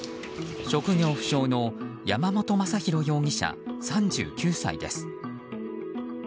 職業不詳の山本正博容疑者、３９歳です。